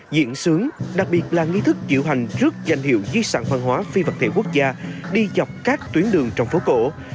diễn sướng đặc biệt là nghi thức diễu hành trước danh hiệu di sản văn hóa phi vật thể quốc gia đi dọc các tuyến đường trong phố cổ